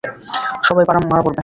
সবাই মারা পড়বে।